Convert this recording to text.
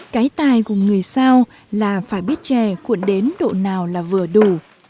cái tài của người sao là phải biết trẻ cuộn đến độ nào là vừa đủ